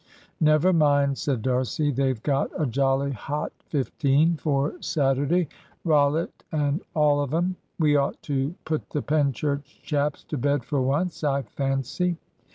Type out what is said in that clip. "Never mind," said D'Arcy; "they've got a jolly hot fifteen for Saturday, Rollitt and all of 'em. We ought to put the Penchurch chaps to bed for once, I fancy."